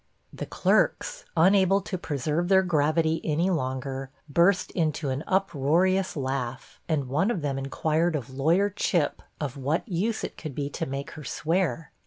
The clerks, unable to preserve their gravity any longer, burst into an uproarious laugh; and one of them inquired of lawyer Chip of what use it could be to make her swear.